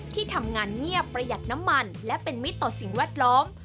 ที่ทำงานเงียบประหยัดน้ำมันและเป็นมิตรต่อสิ่งแวดล้อม